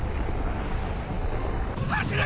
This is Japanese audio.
走れ！！